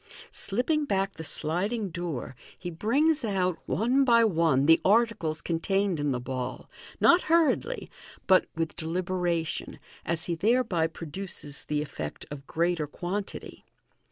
Slipping back the sliding door, he brings out, one by one, the articles contained in the ball, not hurriedly, but with deliberation, as he thereby produces the effect of greater quantity.